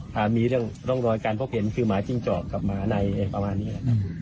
ถ้ามีเรื่องร่องรอยการพบเห็นคือหมาจิ้งจอกกับหมาในประมาณนี้นะครับ